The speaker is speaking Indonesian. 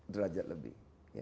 seribu derajat lebih